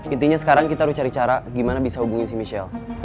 intinya sekarang kita harus cari cara gimana bisa hubungin si michelle